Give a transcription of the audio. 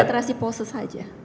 saya cuma konsentrasi pose saja